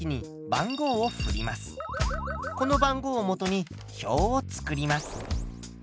この番号をもとに表を作ります。